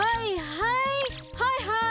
はいはい！